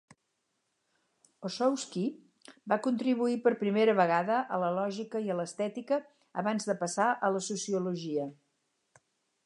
Ossowski va contribuir per primera vegada a la lògica i a l'estètica abans de passar a la sociologia.